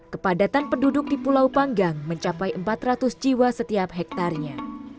kepadatan penduduk di pulau panggang mencapai empat ratus jiwa setiap hektarnya